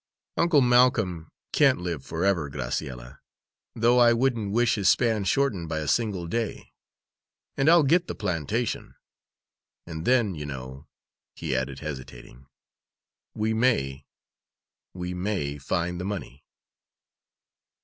"Uncle Malcolm can't live forever, Graciella though I wouldn't wish his span shortened by a single day and I'll get the plantation. And then, you know," he added, hesitating, "we may we may find the money."